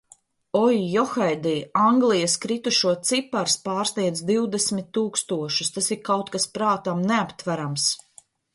Oi, johaidī, Anglijas kritušo cipars pārsniedz divdesmit tūkstošus, tas ir kaut kas prātam neaptverams.